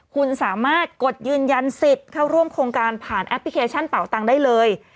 คุณสามารถกดยืนยันสิทธิ์เข้าร่วมโครงการผ่านแอปพลิเคชันเป่าตังค์ได้เลย